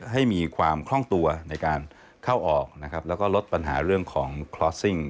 ให้มีความคล่องตัวในการเข้าออกนะครับแล้วก็ลดปัญหาเรื่องของคลอสซิ่ง